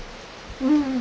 うん。